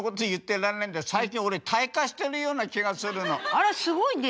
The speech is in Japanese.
あらすごいね。